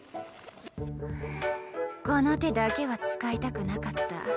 この手だけは使いたくなかった。